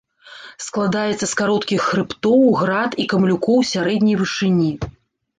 Складаецца з кароткіх хрыбтоў, град і камлюкоў сярэдняй вышыні.